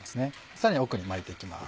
さらに奥に巻いていきます。